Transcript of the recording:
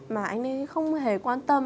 mà anh ấy không hề quan tâm